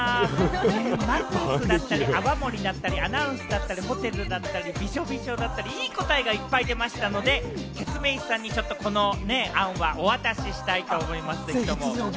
マングースだったり、泡盛だったり、アナウンスだったり、ホテルだったり、びしょびしょだったり、いい答えがいっぱい出ましたので、ケツメイシさんにこの案はお渡ししたいと思います。